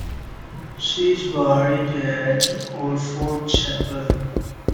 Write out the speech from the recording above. She is buried at Wolford Chapel.